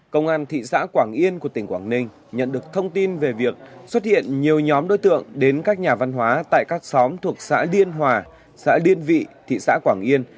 công an thị xã quảng yên của tỉnh quảng ninh nhận được thông tin về việc xuất hiện nhiều nhóm đối tượng đến các nhà văn hóa tại các xóm thuộc xã điên hòa xã liên vị thị xã quảng yên